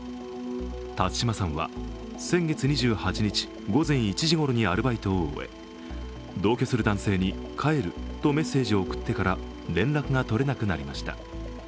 辰島さんは先月２８日午前１時ごろにアルバイトを終え、同居する男性に帰るとメッセージを送ってから連絡が取れなくなりました。